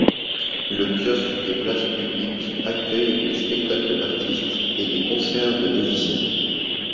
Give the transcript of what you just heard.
Le kiosque des places publiques accueille les spectacles d'artistes et les concerts de musiciens.